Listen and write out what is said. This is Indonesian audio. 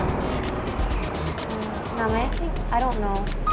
hmm namanya sih i don't know